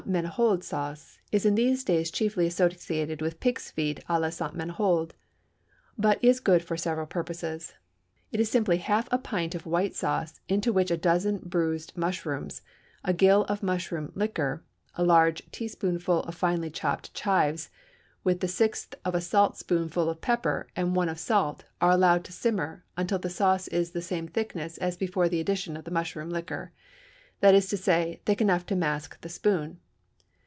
Ménehould Sauce_ is in these days chiefly associated with "pigs' feet à la Ste. Ménehould," but is good for several purposes. It is simply half a pint of white sauce into which a dozen bruised mushrooms, a gill of the mushroom liquor, a large teaspoonful of finely chopped chives, with the sixth of a saltspoonful of pepper and one of salt are allowed to simmer until the sauce is the same thickness as before the addition of the mushroom liquor; that is to say, thick enough to mask the spoon.